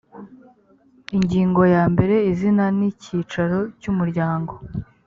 ingingo ya mbere izina n icyicaro cyumuryango